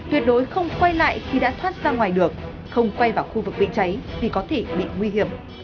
tuyệt đối không quay lại khi đã thoát ra ngoài được không quay vào khu vực bị cháy vì có thể bị nguy hiểm